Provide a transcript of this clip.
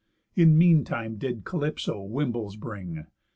In mean time did Calypso wimbles bring.